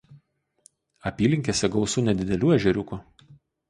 Apylinkėse gausu nedidelių ežeriukų.